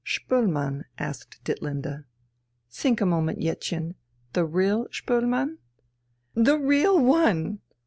"Spoelmann?" asked Ditlinde.... "Think a moment, Jettchen, the real Spoelmann?" "The real one!"